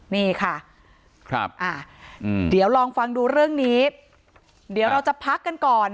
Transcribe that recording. นี่ค่ะครับอ่าเดี๋ยวลองฟังดูเรื่องนี้เดี๋ยวเราจะพักกันก่อน